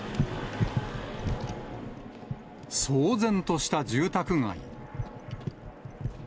騒然とした住宅街。